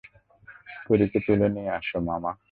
পরীকে তুলে নিয়ে আসো, মামা।